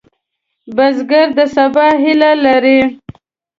بزګر د سبا هیله لري